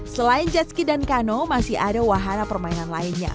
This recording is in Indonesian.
selain jet ski dan canoe masih ada wahana permainan lainnya